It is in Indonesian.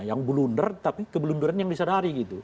yang blunder tapi kebelunduran yang disadari gitu